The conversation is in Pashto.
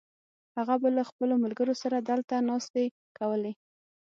هغه به له خپلو ملګرو سره دلته ناستې کولې.